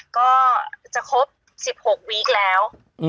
ก็จะครบ๑๖วีคแล้ว